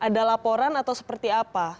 ada laporan atau seperti apa